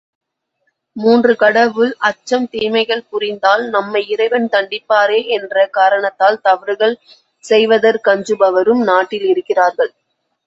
மூன்று கடவுள் அச்சம் தீமைகள் புரிந்தால் நம்மை இறைவன் தண்டிப்பாரே என்ற காரணத்தால் தவறுகள் செய்வதற்கஞ்சுபவரும் நாட்டில் இருக்கிறார்கள்.